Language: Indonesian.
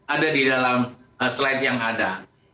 ada di dalam slide yang ada